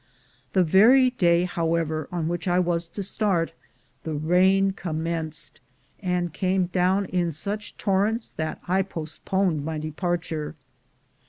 The very day, however, on which I was to start, CHINESE IN THE EARLY DAYS 257 the rain commenced, and came down in such torrents that I postponed my departure.